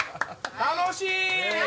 楽しい！